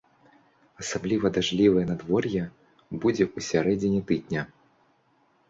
Асабліва дажджлівае надвор'е будзе ў сярэдзіне тыдня.